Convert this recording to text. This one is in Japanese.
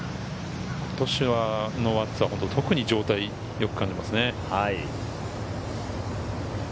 今年の輪厚は特に状態が良く感じますね。